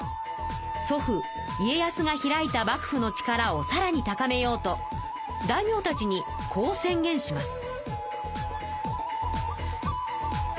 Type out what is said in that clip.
祖父家康が開いた幕府の力をさらに高めようと大名たちにこう宣言します。